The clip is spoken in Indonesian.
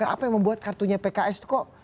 apa yang membuat kartunya pks itu kok